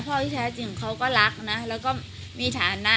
พ่อที่แท้จริงเขาก็รักนะแล้วก็มีฐานะ